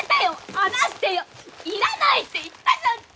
離してよいらないって言ったじゃん君。